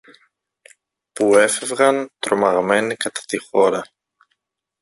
που έφευγαν τρομαγμένοι κατά τη χώρα.